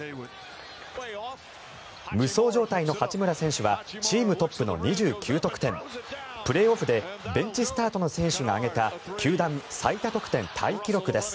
無双状態の八村選手はチームトップの２９得点プレーオフでベンチスタートの選手が挙げた球団最多得点タイ記録です。